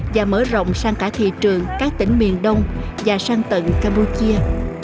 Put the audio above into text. và mở rộng sang cả thị trường các tỉnh miền đông và sang tận campuchia